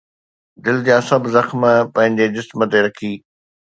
دل جا سڀ زخم پنهنجي جسم تي رکي